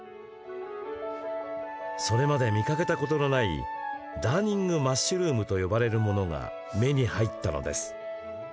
それまで見かけたことのないダーニングマッシュルームと呼ばれるものが目に入ったのです。